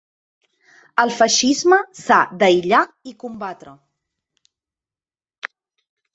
El feixisme s’ha d'aïllar i combatre.